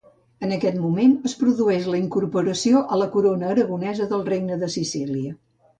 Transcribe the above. En aquest moment es produeix la incorporació a la Corona Aragonesa del Regne de Sicília.